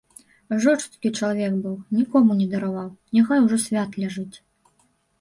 Жорсткі чалавек быў, нікому не дараваў, няхай ужо свят ляжыць.